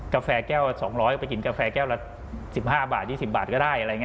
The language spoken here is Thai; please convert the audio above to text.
กาแฟแก้ว๒๐๐ไปกินกาแฟแก้วละ๑๕๒๐บาทก็ได้